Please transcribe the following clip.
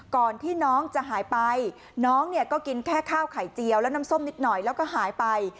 ก่อนที่น้องจะหายไปน้องเนี่ยก็กินแค่ข้าวไข่เจียวและน้ำส้มนิดหน่อยแล้วก็หายไป